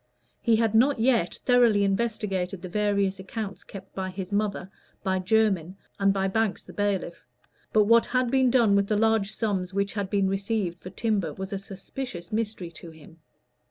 He had not yet thoroughly investigated the various accounts kept by his mother, by Jermyn, and by Banks the bailiff; but what had been done with the large sums which had been received for timber was a suspicious mystery to him.